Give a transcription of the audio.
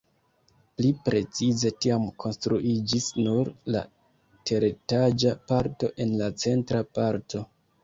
Pli precize tiam konstruiĝis nur la teretaĝa parto en la centra parto.